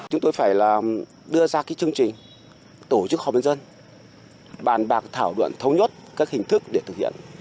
chúng tôi phải là đưa ra cái chương trình tổ chức hòa bình dân bàn bạc thảo đoạn thống nhốt các hình thức để thực hiện